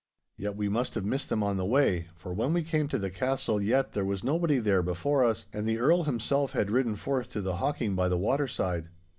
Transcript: Yet we must have missed them on the way, for when we came to the castle yett there was nobody there before us, and the Earl himself had ridden forth to the hawking by the waterside.